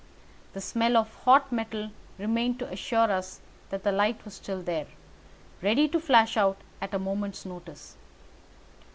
The smell of hot metal remained to assure us that the light was still there, ready to flash out at a moment's notice.